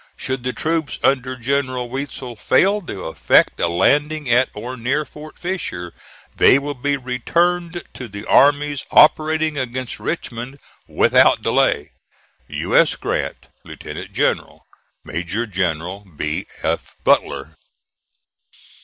"Should the troops under General Weitzel fail to effect a landing at or near Fort Fisher, they will be returned to the armies operating against Richmond without delay. "U. S. GRANT, Lieutenant General. "MAJOR GENERAL B. F. BUTLER."